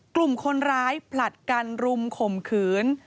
กลุ่มคนร้ายผลัดกันรุมข่มขืน